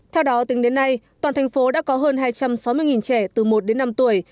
theo đó tính đến nay toàn thành phố đã có hơn hai trăm sáu mươi trẻ từ một đến năm tuổi